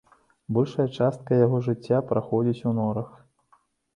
Большая частка яго жыцця праходзіць у норах.